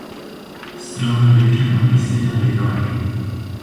Strana yekem a lîsteya lêdanê.